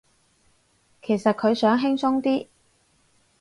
可能佢想輕鬆啲